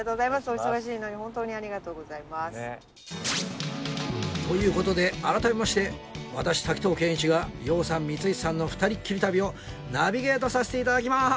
お忙しいのにホントにありがとうございます。という事で改めまして私滝藤賢一が羊さん光石さんの『ふたりっきり旅』をナビゲートさせて頂きます！